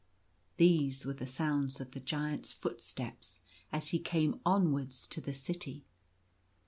These were the sounds of the Giant's footsteps, as he came onwards to the city.